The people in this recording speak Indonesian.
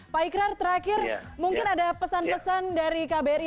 pak ikrar terakhir mungkin ada pesan pesan dari kbri